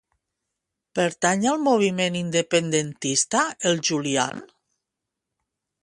Pertany al moviment independentista el Julián?